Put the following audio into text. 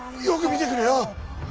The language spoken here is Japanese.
よく見てくれよ。